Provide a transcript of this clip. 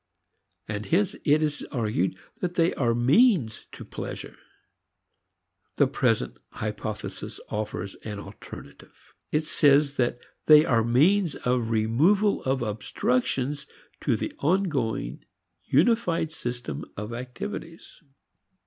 And hence it is argued that they are means to pleasure. The present hypothesis offers an alternative: it says that they are means of removal of obstructions to an ongoing, unified system of activities.